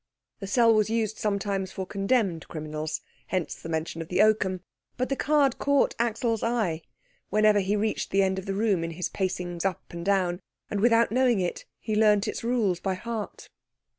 The cell was used sometimes for condemned criminals, hence the mention of the oakum; but the card caught Axel's eye whenever he reached that end of the room in his pacings up and down, and without knowing it he learnt its rules by heart.